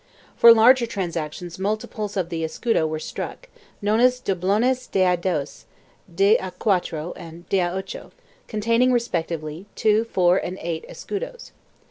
For larger transactions multiples of the escudo were struck, known as doblones de a dos, de a cuatro and de a ocho, containing respectively 2, 4 and 8 escudos.